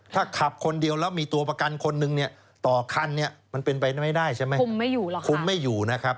ถ้าขับคนเดียวแล้วมีตัวประกันคนนึงเนี่ยต่อคันเนี่ยมันเป็นไปไม่ได้ใช่ไหมคุมไม่อยู่นะครับ